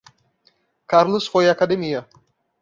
Carlos foi à academia.